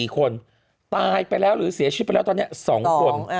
๔คนตายไปแล้วหรือเสียชีวิตไปแล้วตอนนี้๒คน